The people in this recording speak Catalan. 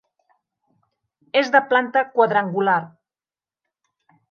És de planta quadrangular.